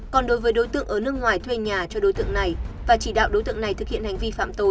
còn đối với đối tượng ở nước ngoài thuê nhà cho đối tượng này và chỉ đạo đối tượng này thực hiện hành vi phạm tội